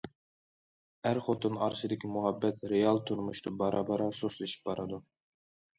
ئەر- خوتۇن ئارىسىدىكى مۇھەببەت رېئال تۇرمۇشتا بارا- بارا سۇسلىشىپ بارىدۇ.